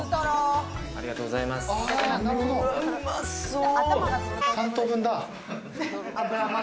うまそう！